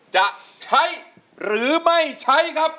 จะใช้หรือไม่ใช้ครับ